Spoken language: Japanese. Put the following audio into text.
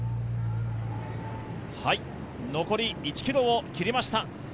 残り１ｋｍを切りました